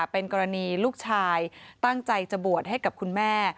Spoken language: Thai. เป็นกรณีลูกชายตั้งใจจะบวชให้กับคุณแม่